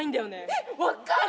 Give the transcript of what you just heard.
えっ分かる！